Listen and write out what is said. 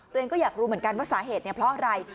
ตัวเองก็อยากรู้เหมือนกันว่าสาเหตุเพราะอะไร